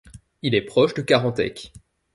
Il est proche de Carantec.